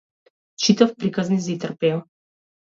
Читав приказни за Итар Пејо.